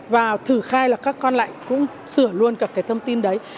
và thử khai là các con lại cũng sửa luôn cả cái thông tin đấy